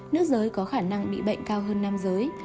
nữ giới có khả năng bị bệnh cao hơn nam giới